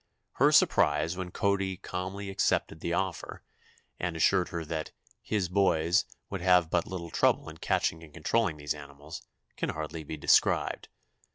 Her surprise when Cody calmly accepted the offer, and assured her that "his boys" would have but little trouble in catching and controlling these animals, can hardly be described.